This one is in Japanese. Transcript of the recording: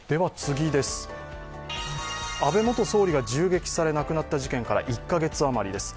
安倍元総理が銃撃され亡くなった事件から１カ月あまりです。